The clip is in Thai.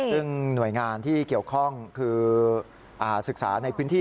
ซึ่งหน่วยงานที่เกี่ยวข้องคือศึกษาในพื้นที่